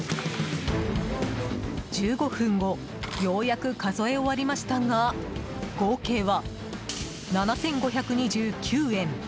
１５分後ようやく数え終わりましたが合計は７５２９円。